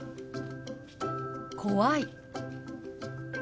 「怖い」。